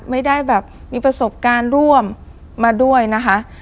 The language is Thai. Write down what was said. ไม่ได้แบบมีประสบการณ์ร่วมมาด้วยนะคะ